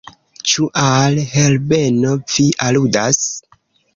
Ĉu al Herbeno vi aludas?